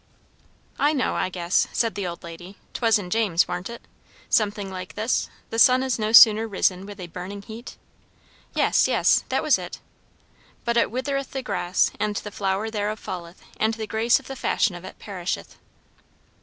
"I know, I guess," said the old lady. "'Twas in James, warn't it? Something like this 'The sun is no sooner risen with a burning heat.'" "Yes, yes, that was it." "' but it withereth the grass, and the flower thereof falleth, and the grace of the fashion of it perisheth.'"